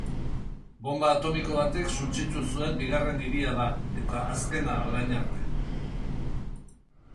Bonba atomiko batek suntsitu zuen bigarren hiria da, eta azkena orain arte.